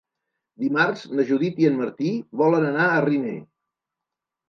Dimarts na Judit i en Martí volen anar a Riner.